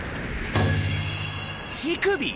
乳首？